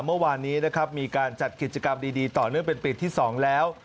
เมื่อวานนี้นะครับมีการจัดกิจกรรมดีต่อเนื่องเป็นปีที่๒แล้ว